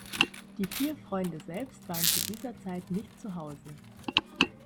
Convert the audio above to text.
Die vier Freunde selbst waren zu dieser Zeit nicht zu Hause.